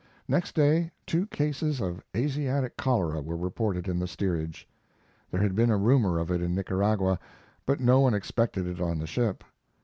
Next day two cases of Asiatic cholera were reported in the steerage. There had been a rumor of it in Nicaragua, but no one expected it on the ship.